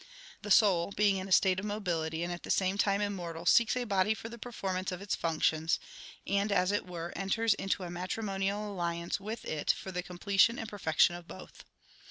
The soul being in a state of mobility, and at the same e 2 Ixviii THE SIKH RELIGION time immortal, seeks a body for the performance of its functions, and, as it were, enters into a matrimonial alliance with it for the completion and perfection of both.